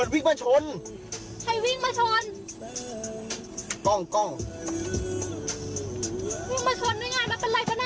อุ๊ยเทอชนคนเหรอ